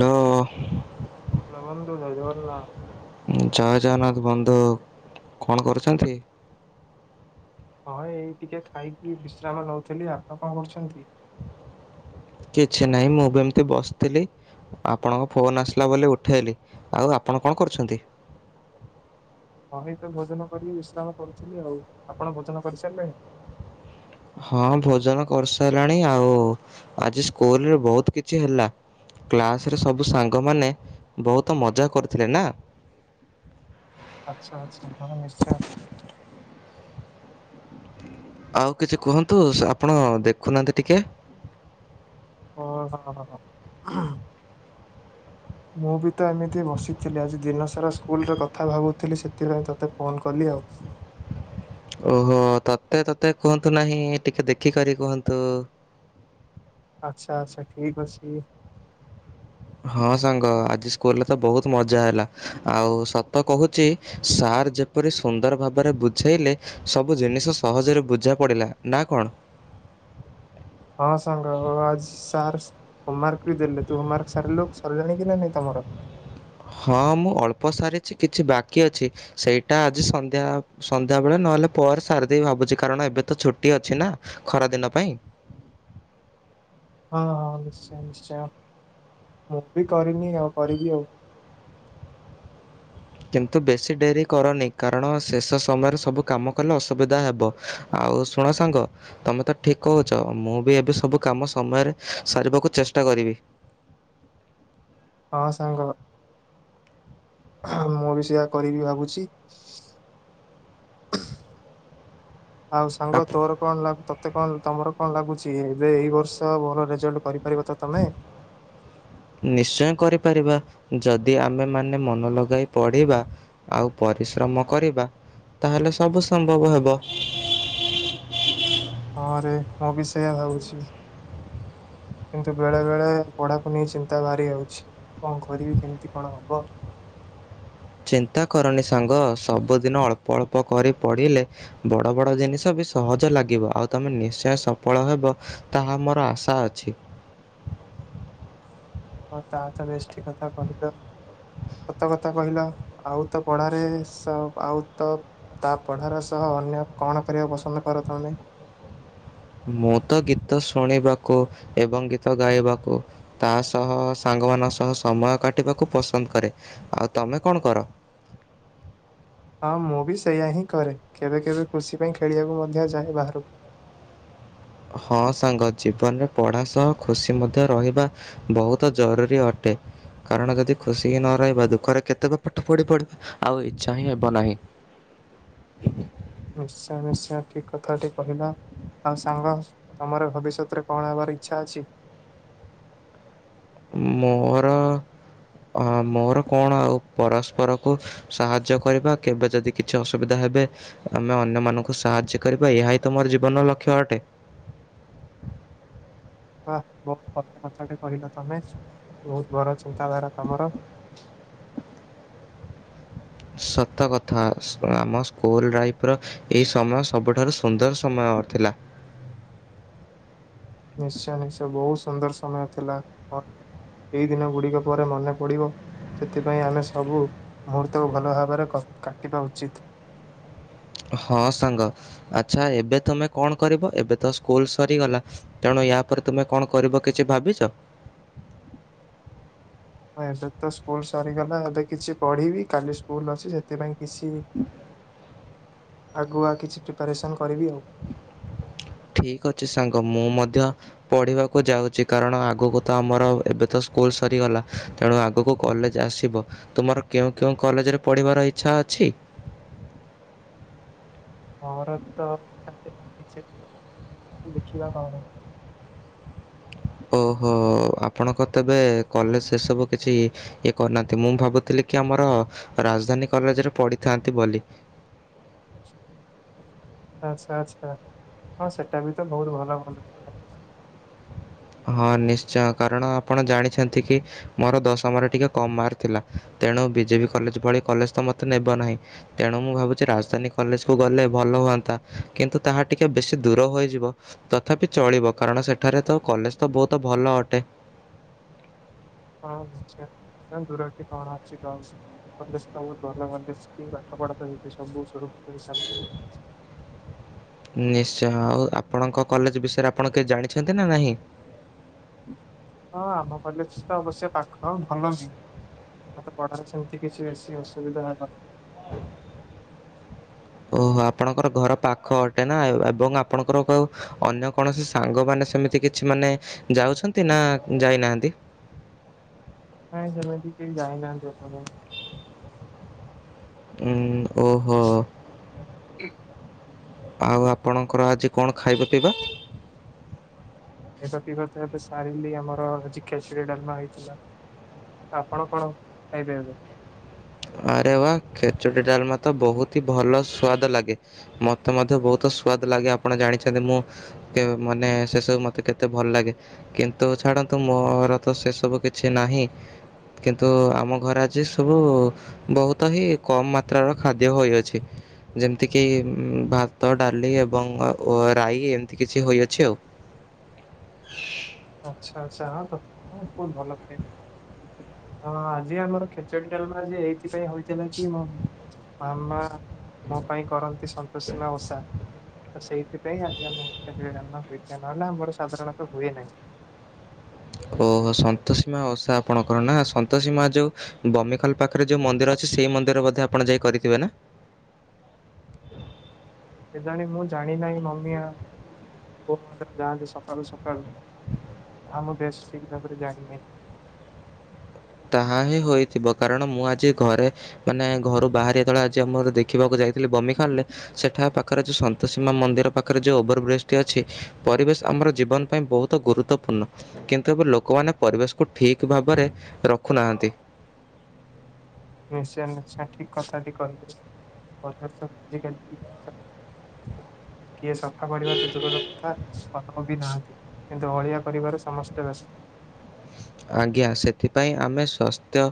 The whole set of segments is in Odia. ହାଲୋ। ହାଲୋ ବନ୍ଧୁ ଜୟ ଜଗନ୍ନାଥ। ଜୟ ଜଗନ୍ନାଥ ବନ୍ଧୁ କଣ କରୁଛନ୍ତି? ହଁ ଏଇ ଟିକେ ଖାଇକି ବିଶ୍ରାମ ନଉଥିଲି ଆପଣ କଣ କରୁଛନ୍ତି? କିଛି ନାଇଁ ମୁଁ ବି ଏମତି ବସିଥିଲି। ଆପଣଙ୍କ ଫୋନ୍ ଆସିଲା ବୋଲି ଉଠାଇଲି ଆଉ ଆପଣ କଣ କରୁଛନ୍ତି? ହଁ ହିତ ଭୋଜନ କରି ବିଶ୍ରାମ କରୁଥିଲି ଆଉ ଆପଣ ଭୋଜନ କରିସାରିଲେଣି? ହଁ ଭୋଜନ କରିସାରିଲାଣି ଆଉ ଆଜି ସ୍କୁଲରେ ବହୁତ କିଛି ହେଲା। କ୍ଲାସରେ ସବୁ ସାଙ୍ଗମାନେ ବହୁତ ମଜା କରିଥିଲେ ନା। ଆଚ୍ଛା ଆଚ୍ଛା ହଁ ନିଶ୍ଚୟ ଆଉ କିଛି କୁହନ୍ତୁ ଆପଣ ଦେଖୁନାହାନ୍ତି ଟିକଏ। ଓ ହ। ମୁଁ ବି ତ ଏମିତି ବସିଥିଲି ଆଜି ଦିନ ସାରା ସ୍କୁଲରେ କଥା ଭାବୁଥିଲି ସେଥିପାଇଁ ତୋତେ ଫୋନ କଲି ଆଉ। ଓହୋ ତତେ ତତେ କୁହନ୍ତୁ ନାହିଁ ଟିକେ ଦେଖି କରି କୁହନ୍ତୁ। ଆଚ୍ଛା ଆଚ୍ଛା ଠିକ ଅଛି। ହଁ ସାଙ୍ଗ ଆଜି ସ୍କୁଲରେ ତ ବହୁତ ମଜା ହେଲା ଆଉ ସତ କହୁଛି ସା ଆର୍ ଯେପରି ସୁନ୍ଦର ଭାବରେ ବୁଝେଇଲେ ସବୁ ଜିନିଷ ସହଜରେ ବୁଝା ପଡ଼ିଲା ନା କଣ? ହଁ ସଙ୍ଗ ଆଜି ସାର ହୋମ ମାର୍କ ବି ଦେଲେ ତୁ ହୋମ ମାର୍କ ସାରିଲୁ ସରିଲାଣି କି ନାହିଁ ତମର? ହଁ ମୁଁ ଅଳ୍ପ ସାରିଛି କିଛି ବାକି ଅଛି ସେଇଟା ଆଜି ସନ୍ଧ୍ୟା ସନ୍ଧ୍ୟାବେଳେ ନ ନହେଲେ ପରେ ସାରିଦେବି ଭାବୁଛି କାରଣ ଏବେ ତ ଛୁଟି ଅଛି ନା ଖରା ଦିନ ପାଇଁ। ହଁ ହ ନିଶ୍ଚୟ ନିଶ୍ଚୟ। ମୁଁ ବି କରିନି ଆଉ କରିବି ଆଉ। କିନ୍ତୁ ବେଶୀ ଡେରି କରନି କାରଣ ଶେଷ ସମୟରେ ସବୁ କାମ କଲେ ଅସୁବିଧା ହେବ ଆ ଆଉ ଶୁଣ ସାଙ୍ଗ ତମେ ତ ଠିକ କହୁଛ ମୁଁ ବି ଏବେ ସବୁ କାମ ସମୟରେ ସାରିବାକୁ ଚେଷ୍ଟା କରିବି। ହଁ ସାଙ୍ଗ। ମୁଁ ବି ସେୟ କରିବି ଭାବୁଛି। ଆଉ ସାଙ୍ଗ ଆପ ତୋର କଣ ଲାଗୁ ତତେ କଣ ତମର କଣ ଲାଗୁଛି ଏବେ ଏଇ ବର୍ଷ ଭଲ ରେଜଲ୍ଟ କରି ନିଶ୍ଚୟ କରିପାରିବା। ଯଦି ଆମେ ମାନେ ମନ ଲଗାଇ ପଢିବା ଆଉ ପରିଶ୍ରମ କରିବା ତାହେଲେ ସବୁ ସମ୍ଭବ ହବ। ହଁରେ ମୁଁ ବି ସେୟା ଭାବୁଛି। କିନ୍ତୁ ବେଳେ ବେଳେ ପଢାକୁ ନେଇ ଚିନ୍ତା ବାହାରି ଯାଉଛି। କଣ କରିବି କେମିତି କଣ ହବ। ଚିନ୍ତା କରନି ସାଙ୍ଗ ସବୁଦିନ ଅଳ୍ପ ଅଳ୍ପ କରି ପଢିଲେ ବଡ ବଡ଼ ଜିନିଷ ବି ସହଜ ଲାଗିବ ଆଉ ତମେ ନିଶ୍ଚୟ ସଫଳ ହେବ ତାହା ମୋର ଆଶା ଅଛି। ଓ ତା ତ ବେଶ ଠିକ କଥା କହିଲ। ସତ କଥା କହିଲ ଆଉ ତ ପଢାରେ ସ ଆଉ ତ ତା ପଢାର ସହ ଅନ୍ୟ କଣ କରିବାକୁ ପସନ୍ଦ କର ତମେ? ମୁଁ ତ ଗୀତ ଶୁଣିବାକୁ ଏବଂ ଗୀତ ଗାଇବାକୁ ତା ସହ ସାଙ୍ଗ ସାଙ୍ଗମାନଙ୍କ ସହ ସମୟ କାଟିବାକୁ ପସନ୍ଦ କରେ ଆଉ ତମେ କଣ କର? [inaudible] ହଁ ମୁଁ ବି ସେଇୟା ହିଁ କରେ କେବେ କେବେ ଖୁସି ପାଇଁ ଖେଳିବାକୁ ମଧ୍ୟ ଯାଏ ବାହାରକୁ। [inaudible] ହଁ ସାଙ୍ଗ ଜୀବନରେ ପଢା ସହ ଖୁସି ମଧ୍ୟ ରହିବା ବହୁତ ଜରୁରୀ ଅଟେ। କାରଣ ଯଦି ଖୁସି ହିଁ ନ ରହିବା ଦୁଃଖରେ କେତେକ ପାଠ ପଢି ପଢି ଆଉ ଇଚ୍ଛା ହିଁ ହେବ ନାହିଁ। ନିଶ୍ଚୟ ନିଶ୍ଚୟ ଠିକ କଥାଟି କହିଲ। ଆଉ ସାଙ୍ଗ ତମର ଭବିଷ୍ୟତରେ କଣ ହେବାର ଇଚ୍ଛା ଅଛି? ମୋର ଅ ମୋର କଣ ଆଉ ପରସ୍ପର କୁ ସାହାଯ୍ୟ କରିବା କେବେ ଯଦି କିଛି ଅସୁବିଧା ହେ ଏବେ ଆମେ ଅନ୍ୟମାନଙ୍କୁ ସାହାଯ୍ୟ କରିବା ଏହା ହିଁ ତ ମୋର ଜୀବନର ଲକ୍ଷ୍ୟ ଅଟେ। [inaudible] [unintelligible] କଥାଟେ କହିଲ ତମେ ବହୁତ [unintelligible] ଚିନ୍ତାଧାରା ତମର ସତ କଥା ଆମ ସ୍କୁଲ ଲାଇଫ ର ଏଇ ସମୟ ସବୁଠାରୁ ସୁନ୍ଦର ସମୟ ଅ ଥିଲା। ନିଶ୍ଚୟ ନିଶ୍ଚୟ ବହୁତ ସୁନ୍ଦର ସମୟ ଥିଲା। ଏଇ ଦିନ ଗୁଡିକ ପରେ ମନେ ପଡିବ ସେଥିପାଇଁ ଆମେ ସବୁ ମୁହୂର୍ତ୍ତକୁ ଭଲ ଭାବରେ କା କାଟିବା ଉଚିତ୍। ହଁ ସାଙ୍ଗ ଆଚ୍ଛା ଏବେ ତମେ କଣ କରିବ ଏବେ ତ ସ୍କୁଲ ସରିଗଲା ତେଣୁ ୟା ପରେ ତୁମେ କଣ କରିବ କିଛି ଭାବିଛ? [inaudible] ହ ଏବେ ତ ସ୍କୁଲ ସରିଗଲା ଏବେ କିଛି ପଢିବି କାଲି ସ୍କୁଲ ଅଛି ସେଥିପାଇଁ କିଛି ଆଗୁଆ କିଛି ପ୍ରିପାରେସନ୍ ଠିକ ଅଛି ସାଙ୍ଗ ମୁଁ ମଧ୍ୟ ପଢ଼ିବାକୁ ଯାଉଛି କାରଣ ଆଗକୁ ତ ଆମର ଏବେ ତ ସ୍କୁଲ ସରିଗଲା ତେଣୁ ଆଗକୁ କଲେଜ ଆସିବ ତୁମର କେଉଁ କେଉଁ କଲେଜରେ ପଢ଼ିବାର ଇଚ୍ଛା ଅଛି? [inaudible] ମୋର ତ [unintelligible] ଦେଖିବା [unintelligible] [inaudible] ଓହୋ ଆପଣଙ୍କ ତେବେ କଲେଜ ସେସବୁ କିଛି ଇଏ କରିନାହାନ୍ତି ମୁଁ ଭାବୁଥିଲି ଆମର ରାଜଧାନୀ କଲେଜରେ ପଢିଥାନ୍ତି ବୋଲି। [inaudible] ଆଛା ଆଚ୍ଛା ହଁ ସେଟା ବି ତ ବହୁତ ଭଲ [unintelligible] ହଁ ନିଶ୍ଚୟ କାରଣ ଆପଣ ଜାଣିଛନ୍ତି କି ମୋର ଦଶମରେ ଟିକେ କମ ମାର୍କ ଥିଲା। ତେଣୁ ବିଜେପି କଲେଜ ଭଳି କଲେଜ ତ ମୋତେ ନେବ ନାହିଁ ତେଣୁ ମୁଁ ଭାବୁଛି ରାଜଧାନୀ କଲେଜକୁ ଗଲେ ଭଲ ହୁଅନ୍ତା କିନ୍ତୁ ତାହା ଟିକେ ବେଶୀ ଦୂର ହୋଇଯିବ ତଥାପି ଚଳିବ କାରଣ ସେଠାରେ ତ କଲେଜ ତ ବହୁତ ଭଲ ଅଟେ। ହଁ ନିଶ୍ଚୟ [unintelligible] [unintelligible] ସବୁ ସୁରୁଖୁର ରେ ଚାଲିଛି। ନିଶ୍ଚୟ ଆଉ ଆପଣଙ୍କ କଲେଜ ବିଷୟରେ ଆପଣ କିଛି ଜାଣିଛନ୍ତି ନା ନାହିଁ। ହଁ ଆମ କଲେଜ ତ ଅବଶ୍ୟ ପାଖ ଭଲ ବି। ପଢା ସେମିତି କିଛି ବେଶି ଅସୁବିଧା [unintelligible] [inaudible] ଓହୋ ଆପଣଙ୍କର ଘର ପାଖ ଅଟେ ନା ଏବଂ ଆପଣଙ୍କର କଉ ଅନ୍ୟ କୌଣସି ସାଙ୍ଗମାନେ ସେମିତି କିଛି ମାନେ ଯାଉଛନ୍ତି ନା ଯାଇନାହାନ୍ତି। ନାଇଁ ସେମିତି କେହି ଯାଇନାହାନ୍ତି ଏପର୍ଯ୍ୟନ୍ତ ହୁଁ ଓହୋ। [inaudible] ଆଉ ଆପଣଙ୍କର ଆଜି କଣ ଖାଇବା ପିଇବା? ଖାଇବା ପିଇବା ତ ଏବେ ସାରିଲି ଆମର ଆଜି ଖେଚିଡି ଡାଲମା ହେଇଥିଲା। ଆପଣ କଣ ଖାଇବେ ଏବେ? ଆରେ ବା ଖେଚୁଡି ଡାଲମା ତ ବୋହୁତି ଭଲ ସୁଆଦ ଲାଗେ ମତେ ମଧ୍ୟ ବହୁତ ସୁଆଦ ଲାଗେ ଆପଣ ଜାଣିଛନ୍ତି ମୁଁ କେ ମାନେ ସେ ସବୁ ମତେ କେତେ ଭଲ ଲାଗେ କିନ୍ତୁ ଛାଡନ୍ତୁ ମୋର ତ ସେ ସବୁ କିଛି ନାହିଁ କିନ୍ତୁ ଆମ ଘରେ ଆଜି ସବୁ ବହୁତ ହିଁ କମ ମାତ୍ରାର ଖାଦ୍ୟ ହୋଇଅଛି ଯେମିତି କିି ଭାତ ଡାଲି ଏବଂ ଓ ରାଇ ଏମିତି କିଛି ହୋଇଅଛି ଆଉ। ଆଛା ଆଛା ହ ତ ବହୁତ ଭଲ ପାଇବା। ହଁ ଆଜି ଆମର ଖେଚଡି ଡାଲମା ଆଜି ଏଇଥିପାଇଁ ହେଇଥିଲା କି ମ ମାମା ମୋ ପାଇଁ କରନ୍ତି ସନ୍ତୋଷୀମା ଓଷା। ତ ସେଇଥିପାଇଁ ଆଜି ଆମ ହୋଇଯଏ ନହେଲେ ଆମର ସାଧାରଣତଃ ହୁଏ ନାହିଁ। ଓହୋ ସନ୍ତସୀମା ଓଷା ଆପଣଙ୍କର ନା ସନ୍ତସୀମା ଯୋଉ ବମିଖାଲ ପାଖରେ ଯୋଉ ମନ୍ଦିର ଅଛି। ସେଇ ମନ୍ଦିର ବୋଧେ ଆପଣ ଯାଇ କରିଥିବେ ନା? କେଜାଣି ମୁଁ ଜାଣି ନାହିଁ ମମିଆ କୋଉ ମ ଯାଆନ୍ତି ସକାଳୁ ସକାଳୁ। ଆ ମୁଁ ବେଶ ଠିକ ଭାବରେ ଜାଣିନି। ତାହା ହିଁ ହୋଇଥିବ କାରଣ ମୁଁ ଆଜି ଘରେ ମାନେ ଘରୁ ବାହାରି ଯେତେବେଳେ ଆଜି ଆମର ଦେଖିବାକୁ ଯାଇ ବମି ଖଲେ ସେଠା ପାଖରେ ଯଉ ସନ୍ତୋଷୀ ମା ମନ୍ଦିର ପାଖରେ ଯୋଉ ଓଭର ବ୍ରିଜ ଟି ଅଛି ପରିବେଶ ଆମର ଜୀବନ ପାଇଁ ବହୁତ ଗୁରୁତ୍ୱପୂର୍ଣ୍ଣ କିନ୍ତୁ ଏବେ ଲୋକମାନେ ପରିବେଶକୁ ଠିକ୍ ଭାବରେ ରଖ ଖୁନାହାନ୍ତି। ନିଶ ନିଶ ଠିକ କଥାଟି କହିଲେ, ପରିବାର ସ ଆଜିକାଲି କିଏଚଛି। କିଏ ସଫା କରିବା ତ ଦୂର ରତା ଅନ ବି ନାହାନ୍ତି। କିନ୍ତୁ ଅଳିଆ କରିବାରେ ସମସ୍ତେ ବ୍ୟସ୍ତ। ଆଜ୍ଞା ସେଥିପାଇଁ ଆମେ ସ୍ଵସ୍ଥ୍ୟ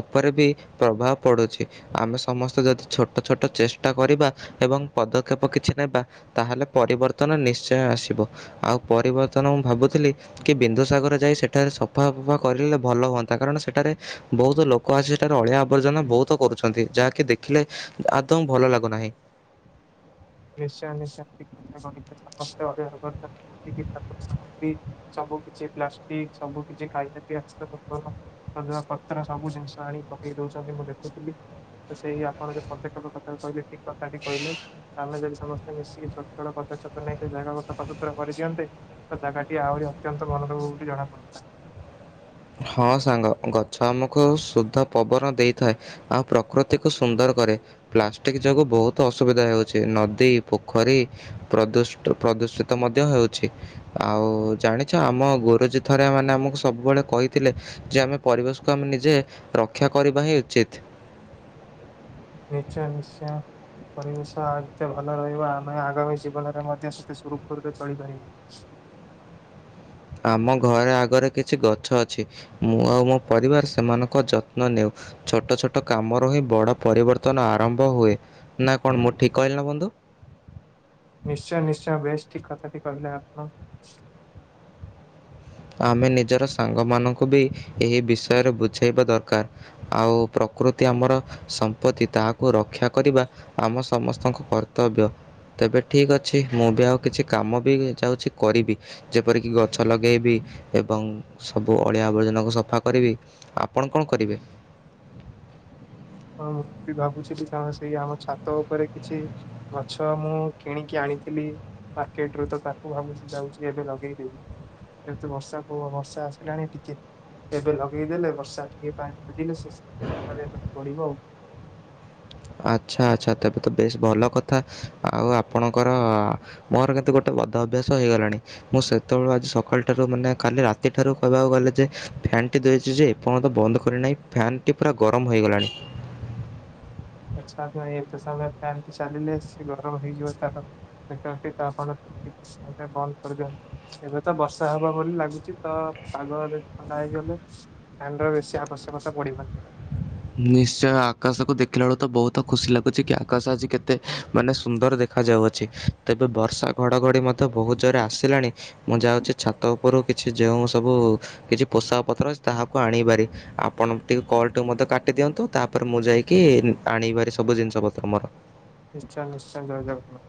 ଉପରେ ବି ପ୍ରଭାବ ପଡ଼ୁଛି। ଆମେ ସମସ୍ତେ ଯଦି ଛୋଟ ଛୋଟ ଚେଷ୍ଟା କରିବା ଏବଂ ପଦକ୍ଷେପ କିଛି ନେବା ତାହେଲେ ପରିବର୍ତ୍ତନ ନି୍ଚୟ ଆସିବ। ଆଉ ପରିବର୍ତ୍ତନ ମୁଁ ଭାବୁଥିଲି କି ବିନ୍ଦୁସାଗର ଯାଇ ସେଠାରେ ଫଫା ଫଫା କରେ ଭଲ ହୁଅନ୍ତା କାରଣ ସେଠାରେ ବହୁତ ଲୋକ ଆସି ସେଠାରେ ଅଳିଆ ଆବର୍ଜନା ବହୁତ କରୁଛନ୍ତି। ଯାହାକି ଦେଖିଲେ ଆଦୌ ଭଲ ଲାଗୁନାହିଁ। ନିଶ୍ଚୟ ନିଶ୍ଚୟ। [unintelligible] ସବୁ କିଛି ପ୍ଲାଷ୍ଟିକ ସବୁ କିଛି ଖାଇବା ପି ଆସି ତ ପଥର ସବୁ ଜିନିଷ ଆଣି ପକେଇ ଦଉଛନ୍ତି ମୁଁ ଦେଖୁଥିଲି। ତ ସେଇ ଆପଣ ଯ ପଦକ୍ଷେପ କଥା କହିଲେ ଠିକ କଥାଟି କହିଲେ। ଆମେ ଯଦି ସମସ୍ତେ ମିଶିକି ଛୋଟ ଛୋଟ ପଦକ୍ଷେପ ନେଇ ସେ ଜାଗାକୁ ସଫାସତୁରା କରିଦିଅନ୍ତେ ଜାଗା ଟି ଆହୁରି ଅତ୍ୟନ୍ତ ମନଭଭ ବୋଲି ଜଣାପଡ଼ନ୍ତା। ହଁ ସାଙ୍ଗ ଗଛ ଆମକୁ ସୁଦ୍ଧ ପବନ ଦେଇଥାଏ ଆଉ ପ୍ରକୃତିକୁ ସୁନ୍ଦର କରେ, ପ୍ଲାଷ୍ଟିକ ଯୋଗୁ ବହୁତ ଅସୁବିଧା ହଉଛି ନଦୀ, ପୋଖରୀ ପ୍ରଦୁସ ପ୍ରଦୂ ଦୂଷିତ ମଧ୍ୟ ହେଉଛି। ଆଉ ଜାଣିଛ ଆମ ଗୋରୁଜୀ ଥରେ ମାନେ ଆମକୁ ସବୁବେଳେ କହି ଥିଲେ ଯେ ଆମେ ପରିବେଶକୁ ଆମେ ନିଜେ ରକ୍ଷା କରିବା ହିଁ ଉଚିତ। ନିଶ୍ଚୟ ନିଶ୍ଚୟ। ପରିବେଶ ଏତେ ଭଲ ରହିବ ଆମେ ଆଗାମୀ ଜୀବନରେ ମଧ୍ୟ ସେତେ ସୁରୁଖୁରୁରେ ଚଳିପାରିବା। ଆମ ଘରେ ଆଗରେ କିଛି ଗଛ ଅଛି ମୁଁ ଆଉ ମୋ ପରିବାର ସେମାନଙ୍କ ଯତ୍ନ ନେଉ। ଛୋଟ ଛୋଟ କାମରୁ ହିଁ ବଡ ପରିବର୍ତ୍ତନ ଆରମ୍ଭ ହୁଏ। ନା କଣ ମୁଁ ଠିକ କହିଲି ନା ବନ୍ଧୁ? ନିଶ୍ଚୟ ନିଶ୍ଚୟ ବେଶ ଠିକ କଥାଟି କହିଲେ ଆପଣ। ଆମେ ନିଜର ସାଙ୍ଗମାନଙ୍କୁ ବି ଏହି ବିଷୟରେ ବୁଝେଇବା ଦରକାର। ଆଉ କୃତି ଆମର ସମ୍ପତ୍ତି ତାହାକୁ ରକ୍ଷା କରିବା ଆମ ସମସ୍ତଙ୍କ କର୍ତ୍ତବ୍ୟ। ତେବେ ଠିକ୍ ଅଛି ମୁଁ ବି ଆଉ କିଛି କାମ ବି ଯାଉଛି କରିବି ଯେପରିକି ଗଛ ଲଗେଇବି ଏବଂ ସବୁ ଅଳିଆ ଆବର୍ଜନାକୁ ସଫା କରିବି। ଆପଣ କଣ କରିବେ? [inaudible] ହଁ ମୁଁ ବି ଭାବୁଥିଲି କଣ ସେଇ ଆମ ଛାତ ଉପରେ କିଛି ଗଛ ମୁଁ କିଣିକି ଆଣି ଥିଲି ମାର୍କେଟ ରୁ ତ ତାକୁ ଭାବୁଛି ଯାଉଛି ଏବେ ଲଗେଇ ଦେବି। ସେତୁ ବର୍ଷା ପୁ ବର୍ଷା ଆସିଲାଣି ଟିକେ। ଏବେ ଲଗେଇଦେଲେ ବର୍ଷା ଟିକେ ପାଣି ବାଜିଲେ ସେ। [unintelligible] ପଡ଼ିବ ଆଉ। ଆଚ୍ଛା ଆଚ୍ଛା ତେବେ ତ ବେଶ ଭଲ କଥା ଆଉ ଆପଣଙ୍କର ମୋର କେତେ ଗୋଟେ ପଦ ଅଭ୍ୟାସ ହେଇଗଲାଣି ମୁଁ ସେତେବେଳଳେ ଆଜି ସକାଳୁଠାରୁ ମାନେ କାଲି ରାତିଠାରୁ କହିବାକୁ ଗଲେ ଯେ ଫ୍ୟାନ୍ଟି ଧୁୋଇଛି ଯେ ଏପର୍ଯ୍ୟନ୍ତ ବନ୍ଦ କରିନାହିଁ ଫ୍ୟାନ୍ଟି ପୁରା ଗରମ ହୋଇଗଲାଣି। ଆଚଛା ନାଇ ଏତେ ସମୟ ଫ୍ୟନ୍ ଟି ଚାଲିଲେ ସେ ଗରମ ହେଇଯିବ ତାର। ପେଟଟି ତାପରେ ବନ୍ଦ କରିଦିଅନ୍ତି ଏବେ ତ ବର୍ଷା ହବ ବୋଲି ଲାଗୁଛି ତ ପାଗ ବି ଥଣ୍ଡା ହେଇଗଲେ ଫୋନ୍ ବେଶୀ ଆବଶ୍ୟକତା ପଡିବନି। ନିଶ୍ଚୟ ଆକାଶକୁ ଦେଖିଲା ବେଳ ତ ବହୁତ ଖୁସି ଲାଗୁଛି କି ଆକାଶ ଆଜି କେତେ ମାନେ ସୁନ୍ଦର ଦେଖାଯାଉ ଦେଉଛି ତେବେ ବର୍ଷା ଘଡ଼ଘଡ଼ି ମଧ୍ୟ ବହୁତ ଜୋରେ ଆସିଲାଣି ମୁଁ ଯାଉଛି ଛାତ ଉପରୁ କିଛି ଯେଉଁ ସବୁ କିଛି ପୋଷାକ ପତ୍ର ଅଛି ତାହାକୁ ଆଣିବାରେ ଆପଣ ଟିକେ କଲ୍ ମଧ୍ୟ କାଟି ଦିଅନ୍ତୁ ତାପରେ ମୁଁ ଯାଇକି ଆଣିବାର ସବୁ ଜିନିଷ ପତ୍ର ମୋର। ନିଶ୍ଚୟ ନିଶ୍ଚୟ ଜୟ ଜଗନ୍ନାଥ।